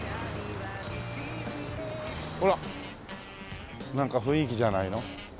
ほらなんか雰囲気じゃないの？